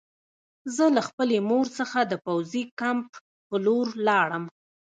زه له خپلې مور څخه د پوځي کمپ په لور لاړم